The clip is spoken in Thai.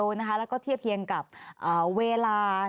แล้วก็เทียบเคียงกับเวลา